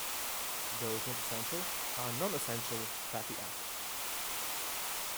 Those not essential are non-essential fatty acids.